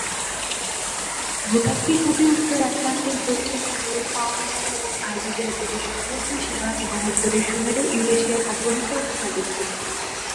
ভূতাত্ত্বিকভাবে, উত্তর আটলান্টিক দক্ষিণে নিউফাউন্ডল্যান্ড এবং আইবেরিয়ায় দুটি সংলগ্ন সীমা এবং উত্তরে সুমেরু ইউরেশিয়ান অববাহিকার মধ্যে অবস্থিত।